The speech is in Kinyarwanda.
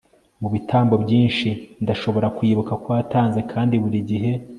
mubitambo byinshi, ndashobora kwibuka ko watanze kandi burigihe